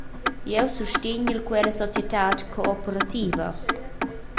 Jeu sustegnel quella societad cooperativa.